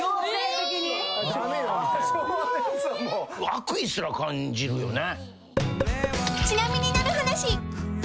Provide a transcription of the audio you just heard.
悪意すら感じるよね。